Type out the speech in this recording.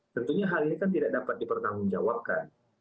tentunya hal ini kan tidak dapat dipertanggungjawabkan